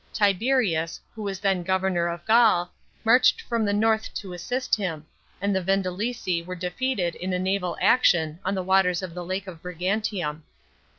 * Tiberius, who was then governor of Gaul, marched from the north to assist him, and the Vindelici were defeated in a naval action on the waters of the Lake of Brigantium.